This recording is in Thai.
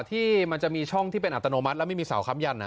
ที่มันจะมีช่องที่เป็นอัตโนมัติแล้วไม่มีเสาค้ำยัน